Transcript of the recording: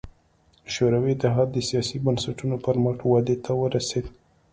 شوروي اتحاد د سیاسي بنسټونو پر مټ ودې ته ورسېد.